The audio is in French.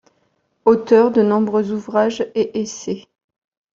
Auteur de nombreux ouvrages et essais.